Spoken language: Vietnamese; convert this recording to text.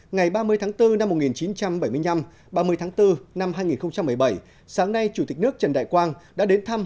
ngày ba mươi tháng bốn năm một nghìn chín trăm bảy mươi năm ba mươi tháng bốn năm hai nghìn một mươi bảy sáng nay chủ tịch nước trần đại quang đã đến thăm